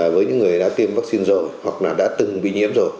với những người đã tiêm vắc xin rồi hoặc là đã từng bị nhiễm rồi